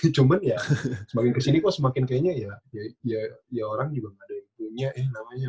cuman ya semakin kesini kok semakin kayaknya ya orang juga nggak ada intunya ini namanya